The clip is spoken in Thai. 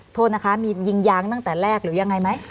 โทษนะคะมียิงยางตั้งแต่แรกหรือยังไงไหม